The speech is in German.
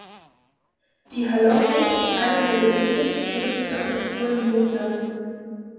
Die Halong-Bucht ist eine der beliebtesten Touristenattraktionen in Vietnam.